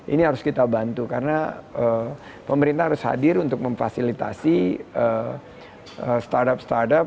ini harus kita bantu karena pemerintah harus hadir untuk memfasilitasi startup startup